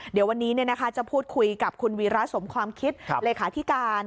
เดี๋ยววันนี้จะพูดคุยกับคุณวีระสมความคิดเลขาธิการ